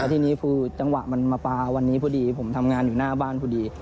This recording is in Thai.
ทีนี้คือจังหวะมันมาปลาวันนี้พอดีผมทำงานอยู่หน้าบ้านพอดี